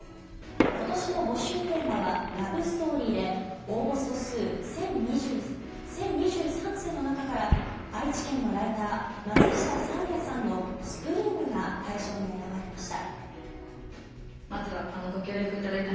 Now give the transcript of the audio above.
今年の募集テーマはラブストーリーで応募総数１０２３通の中から愛知県のライター松下沙彩さんの「スプリング！」が大賞に選ばれました。